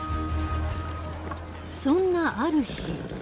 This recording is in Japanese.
そんなある日。